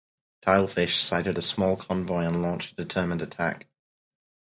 "Tilefish" sighted a small convoy and launched a determined attack.